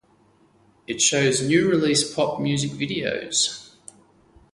It shows new release pop music videos.